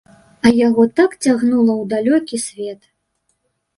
А яго так цягнула ў далёкі свет.